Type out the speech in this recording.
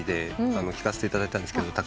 聞かせていただいたんですけどたくさん。